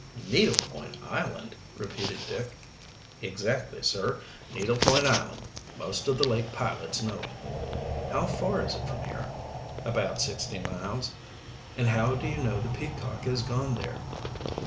"Needle Point Island?" repeated Dick. "Exactly, sir Needle Point Island. Most of the lake pilots know it." "How far is it from here?" "About sixty miles." "And how do you know the Peacock has gone there?"